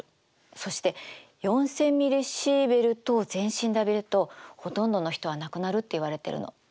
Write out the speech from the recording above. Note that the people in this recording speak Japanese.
そして４，０００ミリシーベルトを全身で浴びるとほとんどの人は亡くなるっていわれてるの。